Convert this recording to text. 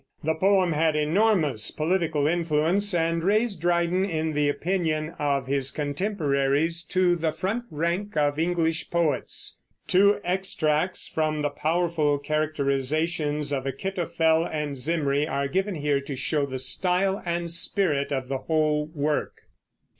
The poem had enormous political influence, and raised Dryden, in the opinion of his contemporaries, to the front rank of English poets. Two extracts from the powerful characterizations of Achitophel and Zimri are given here to show the style and spirit of the whole work.